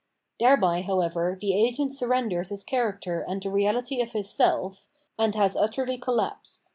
Thereby, however, the agent surrenders his character and the reality of his self, and h utterly collapsed.